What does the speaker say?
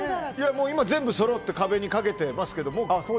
全部そろって壁にかけてますけど。